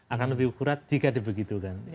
akan lebih kuat jika dibegitukan